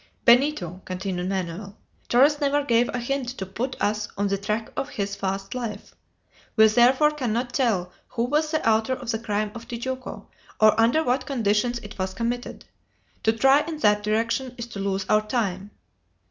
"Benito," continued Manoel, "Torres never gave a hint to put us on the track of his past life. We therefore cannot tell who was the author of the crime of Tijuco, or under what conditions it was committed. To try in that direction is to lose our time."